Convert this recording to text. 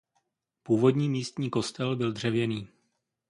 Původní místní kostel byl dřevěný.